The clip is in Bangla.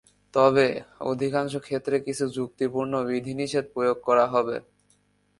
তবে, অধিকাংশ ক্ষেত্রে কিছু "যুক্তিপূর্ণ" বিধিনিষেধ প্রয়োগ করা হবে।